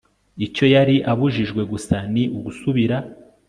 icyo yari abujijwe gusa ni ugusubira